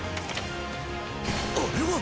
あれは！